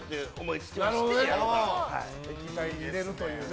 液体に入れるというね。